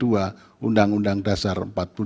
undang undang dasar empat puluh lima